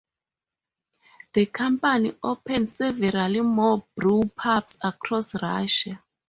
The company opened several more brewpubs across Russia.